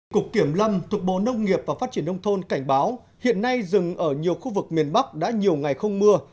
cục kiểm lâm thuộc bộ nông nghiệp và phát triển nông thôn cảnh báo hiện nay rừng ở nhiều khu vực miền bắc đã nhiều ngày không mưa